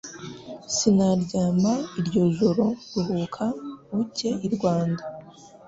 Sinaryama iryo joro Ruhuka ujye i Rwanda